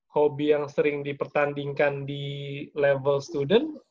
hobi yang sering dipertandingkan di level student